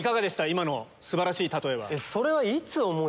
今の素晴らしい例えは。